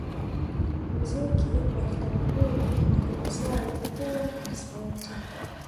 Muziki wa kitamaduni wa Kimasai huwa na sauti